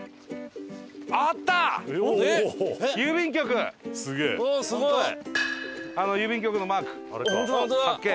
あの郵便局のマーク発見！